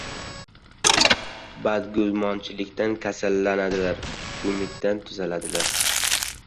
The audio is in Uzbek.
• Badguzumonlikdan kasallanadilar, umiddan tuzaladilar.